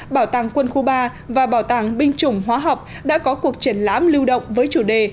bảo tàng quân khu ba và bảo tàng binh chủng hóa học đã có cuộc triển lãm lưu động với chủ đề